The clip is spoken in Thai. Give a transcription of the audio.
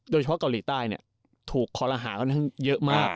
โดยเฉพาะเกาหลีใต้เนี่ยถูกคอลหาห์กันเยอะมาก